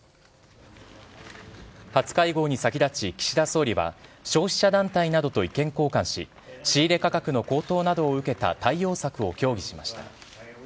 初会合に先立ち、岸田総理は、消費者団体などと意見交換し、仕入れ価格の高騰などを受けた対応策を協議しました。